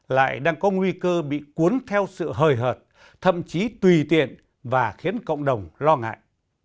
lại đang có nguy cơ bị cuốn theo sự hời hợt thậm chí tùy tiện và khiến cộng đồng lo ngại